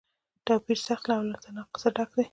توپیر سخت او له تناقضه ډک دی.